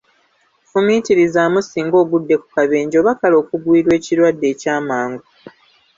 Fumiitirizaamu singa ogudde ku kabenje, oba kale okugwirwa ekirwadde ekyamangu!